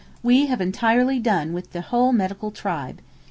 We have entirely done with the whole medical tribe.